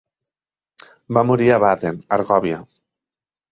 Va morir a Baden, Argòvia.